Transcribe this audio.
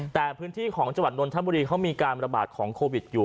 แต่พื้นที่ของจังหวัดนนทบุรีเขามีการระบาดของโควิดอยู่